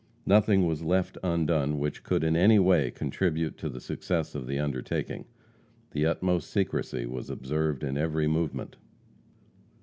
Nothing was left undone which could in any way contribute to the success of the undertaking. The utmost secrecy was observed in every movement.